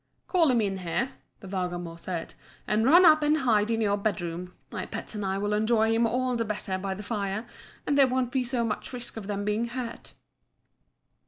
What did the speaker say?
"Call him in here," the Vargamor said, "and run up and hide in your bedroom. My pets and I will enjoy him all the better by the fire, and there won't be so much risk of them being hurt."